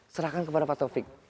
serahkan kepada pak taufik